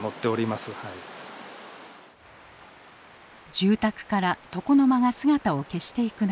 住宅から床の間が姿を消していく中